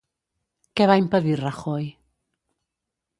Què va impedir Rajoy?